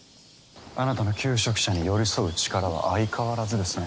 あなたの求職者に寄り添う力は相変わらずですね。